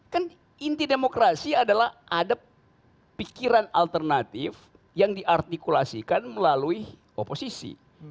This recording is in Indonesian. kan inti demokrasi adalah ada pikiran alternatif yang diartikulasikan melalui oposisi